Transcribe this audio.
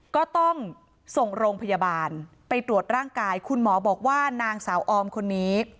ก็ต้องส่งโรงพยาบาลไปตรวจร่างกายคุณหมอบอกว่านางสาวออมคนนี้